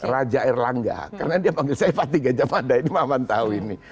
raja erlangga karena dia panggil saya pak tiga jam mada ini mamah tahu ini